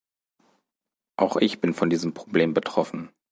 Auch ich bin von diesem Problem betroffen.